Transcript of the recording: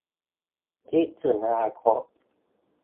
คิดถึงอนาคต